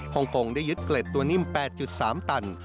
ฮงกงได้ยึดเกล็ดตัวนิ่ม๘๓ตัน